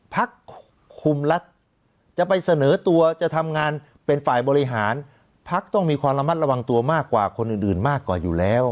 พักคุมรัฐจะไปเสนอตัวจะทำงานเป็นฝ่ายบริหารพักต้องมีความระมัดระวังตัวมากกว่าคนอื่นมากกว่าอยู่แล้ว